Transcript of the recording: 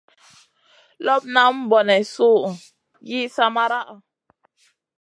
Lop nalam bone su yi san maraʼha?